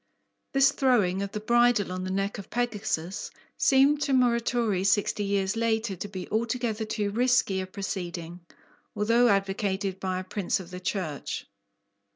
This throwing of the bridle on the neck of Pegasus seemed to Muratori sixty years later to be altogether too risky a proceeding although advocated by a Prince of the Church!